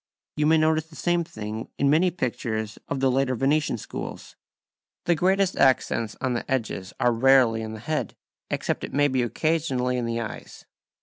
You may notice the same thing in many pictures of the later Venetian schools. The greatest accents on the edges are rarely in the head, except it may be occasionally in the eyes.